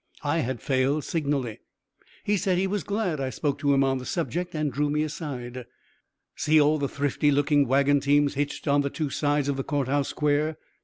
I had failed signally. He said he was glad I spoke to him on the subject, and drew me aside. "See all the thrifty looking wagon teams hitched on the two sides of the Court House Square?"